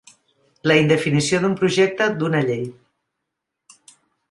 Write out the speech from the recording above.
La indefinició d'un projecte, d'una llei.